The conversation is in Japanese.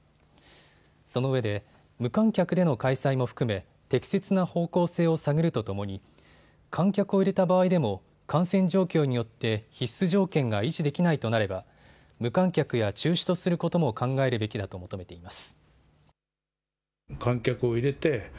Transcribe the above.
そのうえで無観客での開催も含め適切な方向性を探るとともに観客を入れた場合でも感染状況によって必須条件が維持できないとなれば無観客や中止とすることも考えるべきだと求めています。